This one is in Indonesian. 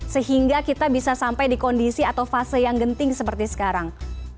sehingga kita bisa sampai di kondisi atau fase yang genting seperti sekarang